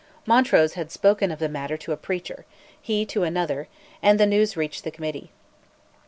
Montrose had spoken of the matter to a preacher, he to another, and the news reached the Committee.